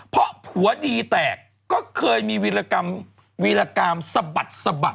เพราะผัวดีแตกก็เคยมีวีรกรรมวีรกรรมสะบัดสะบัด